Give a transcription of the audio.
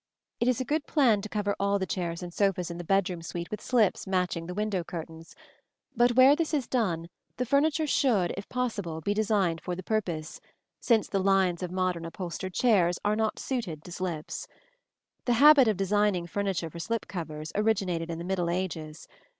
It is a good plan to cover all the chairs and sofas in the bedroom suite with slips matching the window curtains; but where this is done, the furniture should, if possible, be designed for the purpose, since the lines of modern upholstered chairs are not suited to slips. The habit of designing furniture for slip covers originated in the middle ages.